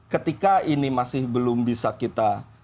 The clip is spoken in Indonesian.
ketika ini masih belum bisa kita